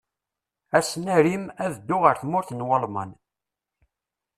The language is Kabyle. Ass n Arim, ad dduɣ ar tmurt n Walman.